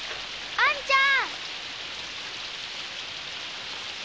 あんちゃん！